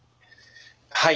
はい。